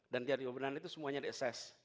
dan tiap tiga bulanan itu semuanya di assess